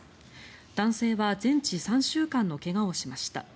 男性は全治３週間の怪我をしました。